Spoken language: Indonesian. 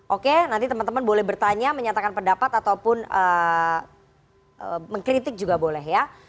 oke nanti teman teman boleh bertanya menyatakan pendapat ataupun mengkritik juga boleh ya